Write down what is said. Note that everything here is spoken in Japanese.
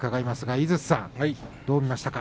井筒さんどう見ましたか。